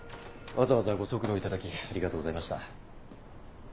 わざわざご足労いただきありがとうございました。